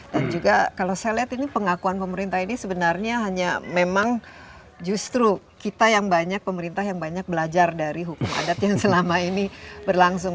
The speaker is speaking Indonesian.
dan juga kalau saya lihat ini pengakuan pemerintah ini sebenarnya hanya memang justru kita yang banyak pemerintah yang banyak belajar dari hukum adat yang selama ini berlangsung